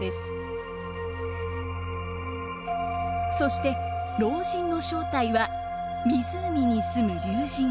そして老人の正体は湖に住む龍神。